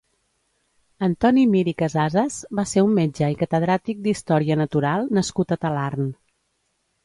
Antoni Mir i Casases va ser un metge i catedràtic d'història natural nascut a Talarn.